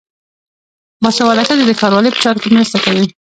باسواده ښځې د ښاروالۍ په چارو کې مرسته کوي.